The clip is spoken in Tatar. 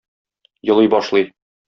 Елый башлый.